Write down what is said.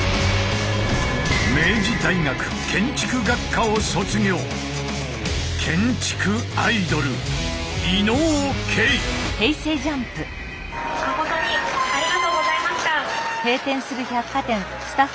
明治大学建築学科を卒業まことにありがとうございました。